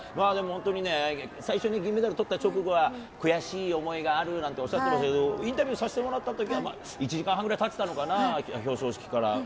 でも本当にね、最初に銀メダルとった直後は、悔しい思いがあるなんておっしゃましたけど、インタビューさせてもらったときは１時間半ぐらいたってたのかな、表彰式から。